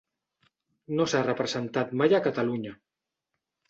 No s'ha representat mai a Catalunya.